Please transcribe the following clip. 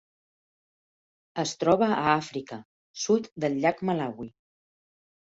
Es troba a Àfrica: sud del llac Malawi.